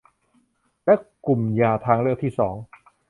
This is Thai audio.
และกลุ่มยาทางเลือกที่สอง